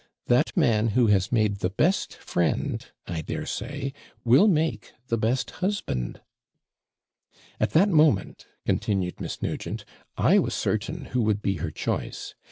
That man who has made the best friend, I dare say, will make the best husband!" 'At that moment,' continued Miss Nugent, 'I was certain who would be her choice.